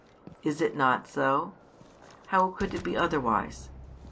Is it not so? How could it be otherwise?